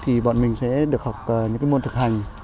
thì bọn mình sẽ được học những cái môn thực hành